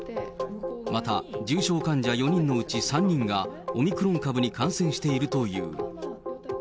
また、重症患者４人のうち３人が、オミクロン株に感染しているという。